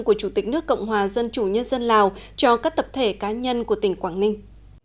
của chủ tịch nước cộng hòa dân chủ nhân dân lào cho các tập thể cá nhân của tỉnh quảng ninh